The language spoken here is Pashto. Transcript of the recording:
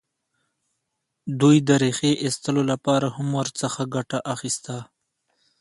دوی د ریښې ایستلو لپاره هم ورڅخه ګټه اخیسته.